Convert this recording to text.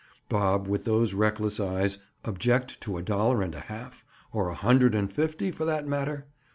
Bob, with those reckless eyes, object to a dollar and a half—or a hundred and fifty, for that matter?